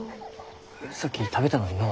さっき食べたのにのう。